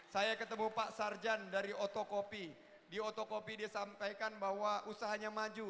saya ketemu pak sarjan dari otokopi di otokopi disampaikan bahwa usahanya maju